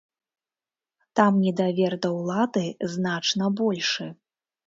Там недавер да ўлады значна большы.